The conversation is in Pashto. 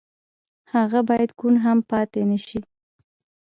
هغه بايد کوڼ هم پاتې نه شي.